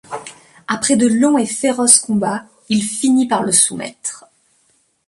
Après de longs et féroces combats, il finit par le soumettre.